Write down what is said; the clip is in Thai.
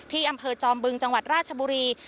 ที่อำเภอจอมบึงจังหวัดราชบุรี